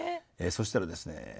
そしたらですね